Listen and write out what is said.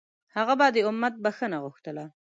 هغه به د امت بښنه غوښتله.